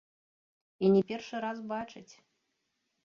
І не першы раз бачыць.